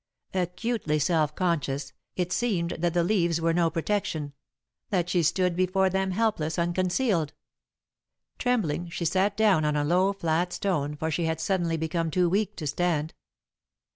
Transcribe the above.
Acutely self conscious, it seemed that the leaves were no protection; that she stood before them helpless, unconcealed. Trembling, she sat down on a low, flat stone, for she had suddenly become too weak to stand.